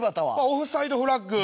オフサイドフラッグ。